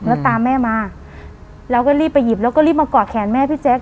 แล้วตามแม่มาเราก็รีบไปหยิบแล้วก็รีบมาเกาะแขนแม่พี่แจ๊ค